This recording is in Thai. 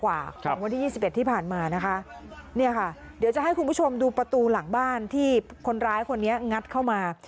ของวันที่๒๑ที่ผ่านมานะคะเนี่ยค่ะเดี๋ยวจะให้คุณผู้ชมดูประตูหลังบ้านที่คนร้ายคนนี้งัดเข้ามา